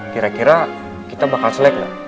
kira kira kita bakal selek lah